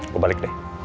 gue balik deh